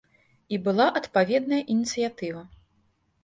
І была адпаведная ініцыятыва.